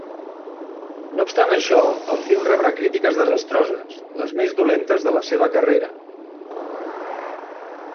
No obstant això el film rebrà crítiques desastroses, les més dolentes de la seva carrera.